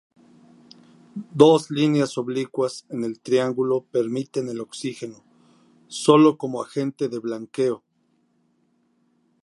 Dos líneas oblicuas en el triángulo permiten el oxígeno sólo como agente de blanqueo.